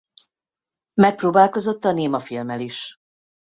Megpróbálkozott a némafilmmel is.